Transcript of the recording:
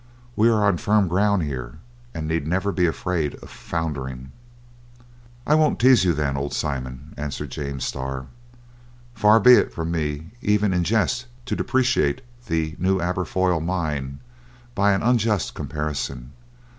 We are on firm ground here, and need never be afraid of foundering." "I won't tease you, then, old Simon," answered James Starr. "Far be it from me even in jest to depreciate the New Aberfoyle mine by an unjust comparison!